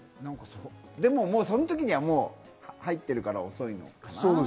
でもその時には入っているから遅いのかな。